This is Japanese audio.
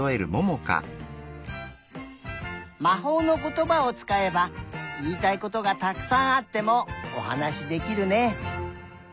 まほうのことばをつかえばいいたいことがたくさんあってもおはなしできるね。